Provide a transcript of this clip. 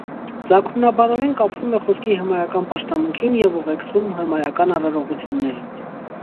Ծագումնաբանորեն կապվում է խոսքի հմայական պաշտամունքին և ուղեկցում հմայական արարողություններին։